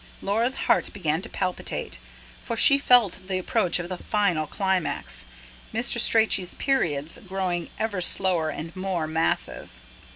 Laura's heart began to palpitate, for she felt the approach of the final climax, Mr. Strachey's periods growing ever slower and more massive.